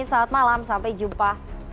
selamat malam sampai jumpa